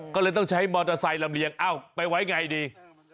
ก็เลยต้องใช้มอเตอร์ไซค์ลำเลียงเอ้าไปไว้ไงดี